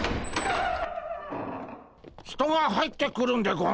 人が入ってくるんでゴンスか？